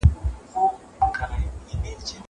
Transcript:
زه بايد سبا ته فکر وکړم.